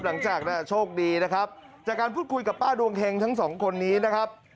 หลังจากนั้นโชคดีนะครับจากการพูดคุยกับป้าดวงเฮงทั้งสองคนนี้นะครับ